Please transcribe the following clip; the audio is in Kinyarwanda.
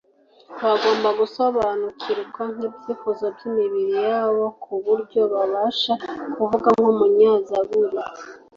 bagomba gusobanukirwa n'ibyifuzo by'imibiri yabo ku buryo babasha kuvuga nk'umunyazaburi